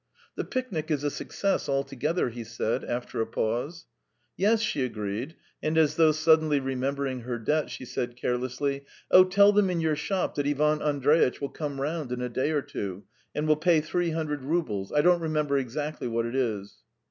"The picnic is a success altogether," he said, after a pause. "Yes," she agreed, and as though suddenly remembering her debt, she said carelessly: "Oh, tell them in your shop that Ivan Andreitch will come round in a day or two and will pay three hundred roubles .... I don't remember exactly what it is."